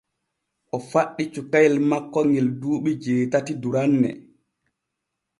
O faɗɗi cukayel makko ŋe duuɓi jeetati duranne.